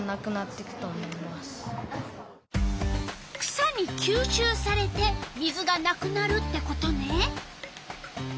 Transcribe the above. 草にきゅうしゅうされて水がなくなるってことね。